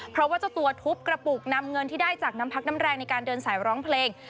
เพราะว่าเจ้าตัวทุบกระปุกนำเงินที่ได้จากน้ำพักน้ำแรงในการเดินสายร้องเพลง